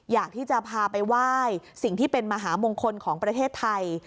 อยากที่จะพาไปไหว้สิ่งที่เป็นมหามงคลของประเทศไทย